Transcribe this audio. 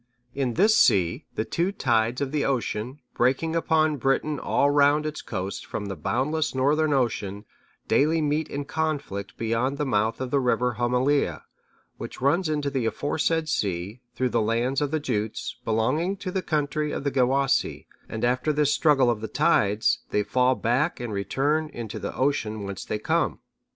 (642) In this sea, the two tides of the ocean, which break upon Britain all round its coasts from the boundless northern ocean, daily meet in conflict beyond the mouth of the river Homelea,(643) which runs into the aforesaid sea, through the lands of the Jutes, belonging to the country of the Gewissae; and after this struggle of the tides, they fall back and return into the ocean whence they come.